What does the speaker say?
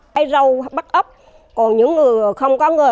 cái râu bắt ấp còn những người không có người